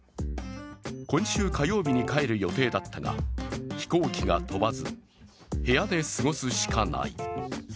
今週火曜日に帰る予定だったが飛行機が飛ばず部屋で過ごすしかない。